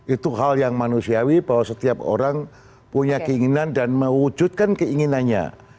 itu hal yang manusiawi bahwa setiap orang punya keinginan dan mewujudkan keinginannya